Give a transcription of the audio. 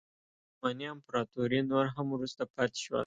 عثماني امپراتوري نور هم وروسته پاتې شول.